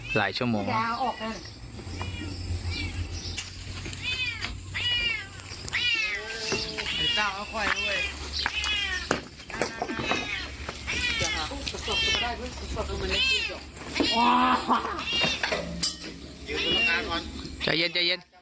หลายชั่วโมง